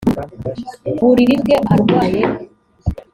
buriri bwe arwaye